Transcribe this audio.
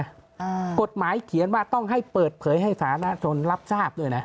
อ่ากฎหมายเขียนว่าต้องให้เปิดเผยให้สาธารณชนรับทราบด้วยนะ